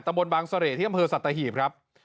ตำบลบางเสลต์ที่กำเนินสัตว์ตะหีบครับ